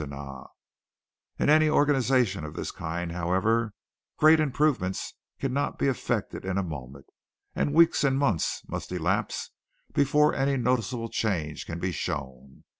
In any organization of this kind, however, great improvements cannot be effected in a moment, and weeks and months must elapse before any noticeable change can be shown.